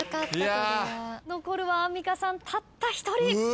残るはアンミカさんたった一人。